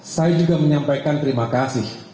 saya juga menyampaikan terima kasih